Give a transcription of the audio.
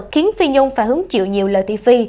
khiến phi nhung phải hứng chịu nhiều lời t phi